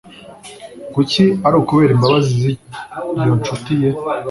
kuki ari ukubera imbabazi z'iyo ncuti ye